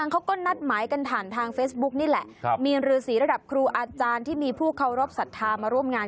ก็จะมีฤษีตุลมาร่วมงาน